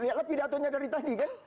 lihatlah pidatonya dari tadi kan